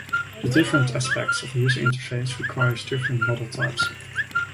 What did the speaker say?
The different aspects of a user interface requires different model types.